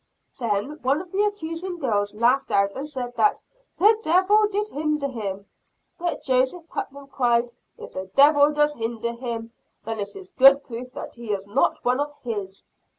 Then one of the accusing girls laughed out, and said that "the Devil did hinder him," but Joseph Putnam cried, "If the Devil does hinder him, then it is good proof that he is not one of his."